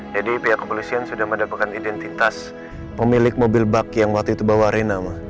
jadi pihak kepolisian sudah mendapatkan identitas pemilik mobil bak yang waktu itu bawa rina ma